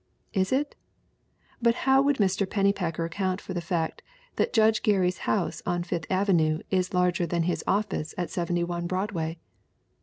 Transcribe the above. Is it? But how would Mr. Pennypacker account for the fact that Judge Gary's house on Fifth avenue is larger than his office at 71 Broadway?